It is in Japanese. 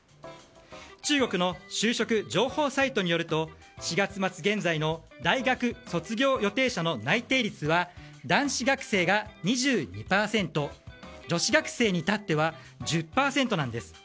中国の就職情報サイトによると４月末現在の大学卒業予定者の内定率は男子学生が２２％女子学生に至っては１０％です。